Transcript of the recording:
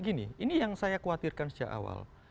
gini ini yang saya khawatirkan sejak awal